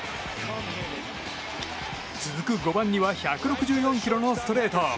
続く５番には１６４キロのストレート。